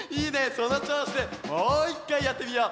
そのちょうしでもういっかいやってみよう！